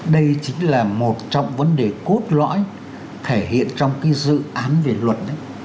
đây chính là một trong vấn đề cốt lõi thể hiện trong cái dự án về luật đấy